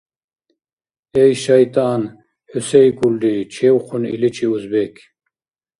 — Эй, шайтӀан! ХӀу сейкӀулри? – чевхъун иличи узбек.